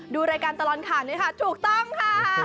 ดูรายการตลอดข่าวนี้ค่ะถูกต้องค่ะ